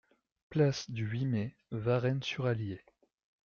Place du huit Mai, Varennes-sur-Allier